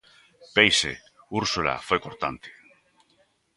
–Peixe –Úrsula foi cortante.